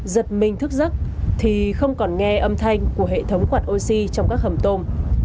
giật mình thức giấc thì không còn nghe âm thanh của hệ thống quạt oxy trong các hầm tôm